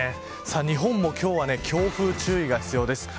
日本も今日は強風注意報が必要です。